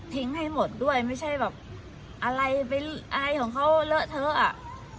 ให้หมดด้วยไม่ใช่แบบอะไรเป็นอะไรของเขาเลอะเทอะ